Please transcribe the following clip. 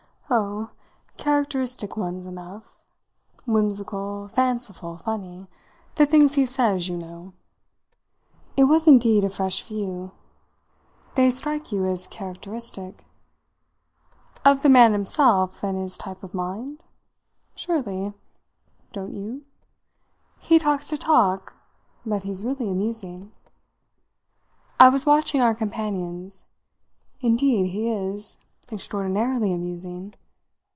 "Oh, characteristic ones enough whimsical, fanciful, funny. The things he says, you know." It was indeed a fresh view. "They strike you as characteristic?" "Of the man himself and his type of mind? Surely. Don't you? He talks to talk, but he's really amusing." I was watching our companions. "Indeed he is extraordinarily amusing."